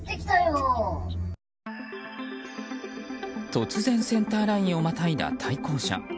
突然、センターラインをまたいだ対向車。